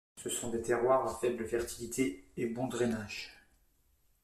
Ce sont des terroirs à faible fertilité et bon drainage.